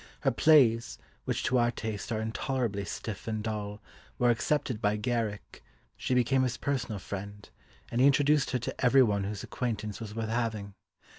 Her plays, which to our taste are intolerably stiff and dull, were accepted by Garrick, she became his personal friend, and he introduced her to everyone whose acquaintance was worth having.